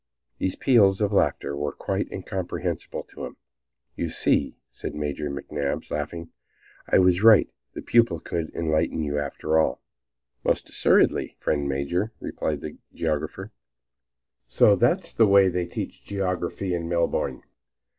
These peals of laughter were quite incomprehensible to him. "You see," said Major McNabbs, laughing, "I was right. The pupil could enlighten you after all." "Most assuredly, friend Major," replied the geographer. "So that's the way they teach geography in Melbourne!